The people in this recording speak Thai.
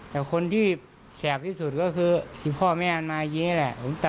แต่คนที่แสบที่สุดก็คือที่พ่อแม่มาอย่างนี้แหละ